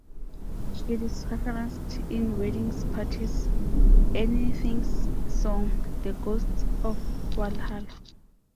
It is referenced in Weddings Parties Anything's song "The Ghosts of Walhalla".